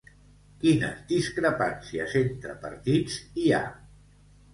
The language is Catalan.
Quines discrepàncies entre partits hi ha?